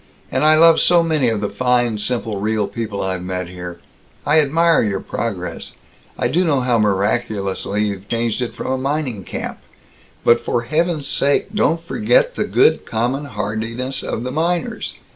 And I love so many of the fine, simple, real people I've met here. I admire your progress. I do know how miraculously you've changed it from a mining camp. But for heaven's sake don't forget the good common hardiness of the miners.